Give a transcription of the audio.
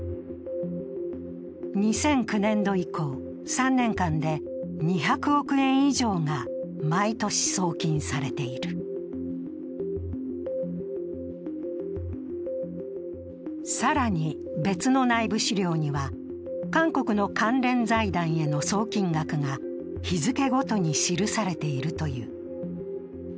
２００９年度以降、３年間で２００億円以上が毎年送金されている更に別の内部資料には韓国の関連財団への送金額が日付ごとに記されているという。